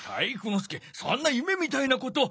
介そんなゆめみたいなこと。